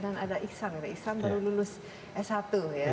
dan ada iksan iksan baru lulus s satu ya